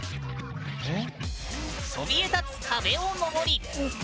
そびえ立つ壁を登り